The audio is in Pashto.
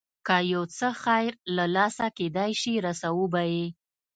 که یو څه خیر له لاسه کېدای شي رسوو به یې.